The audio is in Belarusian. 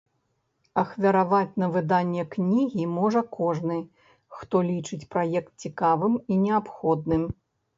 Ахвяраваць на выданне кнігі можа кожны, хто лічыць праект цікавым і неабходным.